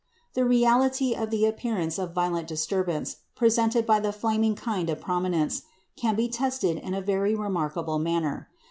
The reality of the appearance of violent disturbance presented by the "flaming" kind of prominence can be tested in a very remarkable manner.